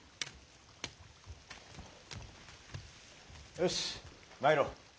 よし参ろう。